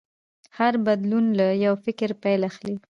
هر بدلون له یو فکر پیل اخلي.